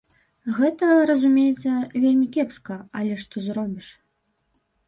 Гэта, разумеецца, вельмі кепска, але што зробіш!